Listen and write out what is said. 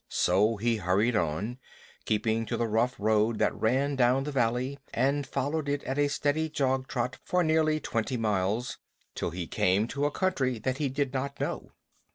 So he hurried on, keeping to the rough road that ran down the valley, and followed it at a steady jog trot for nearly twenty miles, till he came to a country that he did not know.